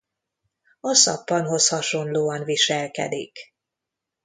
A szappanhoz hasonlóan viselkedik.